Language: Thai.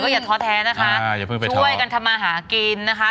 อย่าท้อแท้นะคะช่วยกันทำมาหากินนะคะ